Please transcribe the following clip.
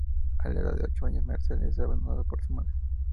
A la edad de ocho años Marcel es abandonado por su madre.